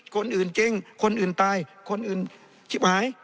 คนอื่นเก่งคนอื่นตายคนอื่นชิบหาย